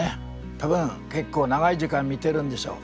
多分結構長い時間見てるんでしょう。